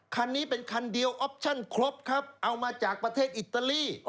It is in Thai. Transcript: คันนี้เป็นคันเดียวออปชั่นครบครับเอามาจากประเทศอิตาลี